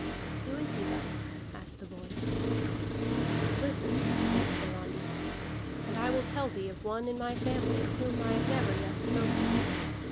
"Who is he, then?" asked the boy. "Listen," said Hiarandi, "and I will tell thee of one in my family of whom I have never yet spoken.